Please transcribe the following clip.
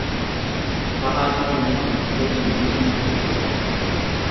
باھاسىمۇ نەچچە يۈز كويدىن نەچچە مىڭ كويغىچە.